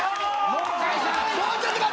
もう！